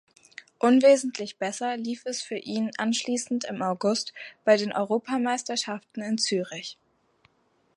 Unwesentlich besser lief es für ihn anschließend im August bei den Europameisterschaften in Zürich.